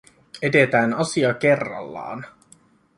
Edetään asia kerrallaan.